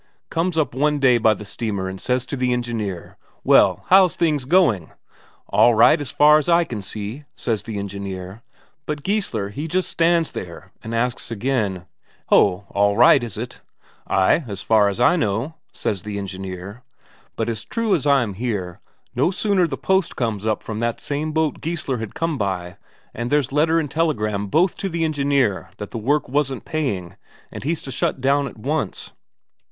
Comes up one day by the steamer and says to the engineer: 'Well, how's things going?' 'All right, as far as I can see,' says the engineer. But Geissler he just stands there, and asks again: 'Ho, all right, is it?' 'Ay, as far as I know,' says the engineer. But as true as I'm here, no sooner the post comes up from that same boat Geissler had come by, than there's letter and telegram both to the engineer that the work wasn't paying, and he's to shut down at once."